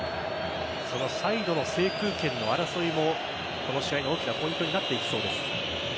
サイドの制空権の争いもこの試合の大きなポイントになっていきそうです。